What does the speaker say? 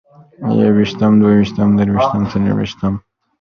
يوويشتم، دوه ويشتم، درويشتم، څلرويشتم، څلورويشتم